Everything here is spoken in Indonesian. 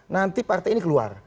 nanti partai ini keluar